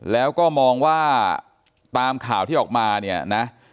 แล้วก็มองว่าตามข่าวที่ออกมาเนี่ยนะ